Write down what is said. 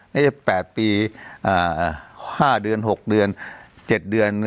น่าจะ๘ปี๕เดือน๖เดือน๗เดือน